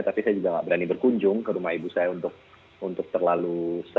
tapi saya juga nggak berani berkunjung ke rumah ibu saya untuk terlalu